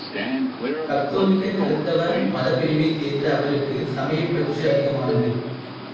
கத்தோலிக்க கிறித்தவ மதப்பிரிவைச் சேர்ந்த அவருக்கு சமயப்பற்று அதிகமானது.